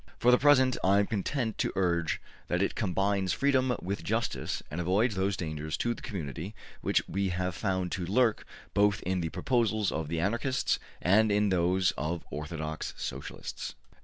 For the present I am content to urge that it combines freedom with justice, and avoids those dangers to the community which we have found to lurk both in the proposals of the Anarchists and in those of orthodox Socialists.